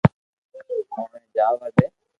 اوني جاوا دي